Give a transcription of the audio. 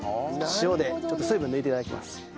塩でちょっと水分抜いて頂きます。